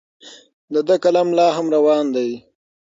د ده قلم لا هم روان دی.